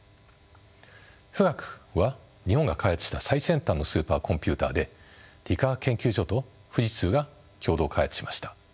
富岳は日本が開発した最先端のスーパーコンピュータで理化学研究所と富士通が共同開発しました。